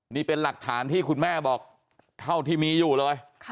นี่เป็นหลักฐานที่คุณแม่บอกเท่าที่มีอยู่เลย